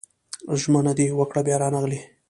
ژمنه دې وکړه بيا رانغلې